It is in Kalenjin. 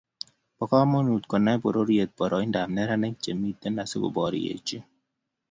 Bo komonut konai pororiet poroindap neranik chemitei asikoboriechi